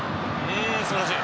素晴らしい。